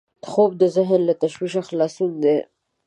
خوب د ذهن له تشویشه خلاصون دی